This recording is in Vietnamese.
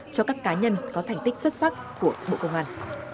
cho các cá nhân có thành tích xuất sắc của bộ công an